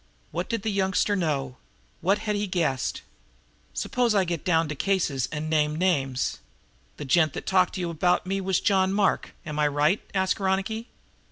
What did the youngster know? What had he guessed? "Suppose I get down to cases and name names? The gent that talked to you about me was John Mark. Am I right?" asked Ronicky.